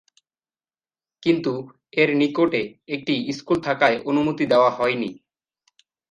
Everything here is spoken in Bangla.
কিন্তু এর নিকটে একটি স্কুল থাকায় অনুমতি দেওয়া হয়নি।